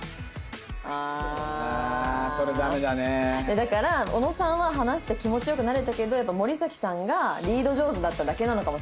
だから小野さんは話して気持ち良くなれたけどやっぱ森咲さんがリード上手だっただけなのかも。